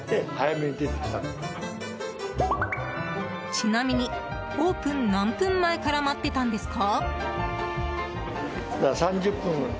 ちなみに、オープン何分前から待ってたんですか？